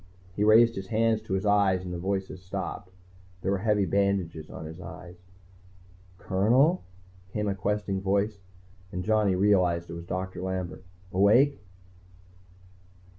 He raised his hands to his eyes and the voices stopped. There were heavy bandages on his eyes. "Colonel?" came a questing voice, and Johnny realized it was Doctor Lambert. "Awake?"